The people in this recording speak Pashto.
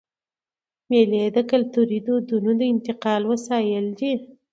مېلې د کلتوري دودونو د انتقال وسایل دي.